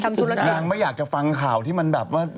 ธุระดานางไม่อยากจะฟังข่าวที่มันแบบว่า